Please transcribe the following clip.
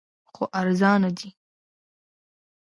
خو ارزانه دی